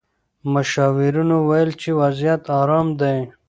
مشاورینو وویل چې وضعیت ارام دی.